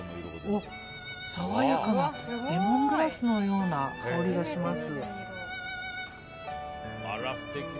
爽やかなレモングラスのような香りがします。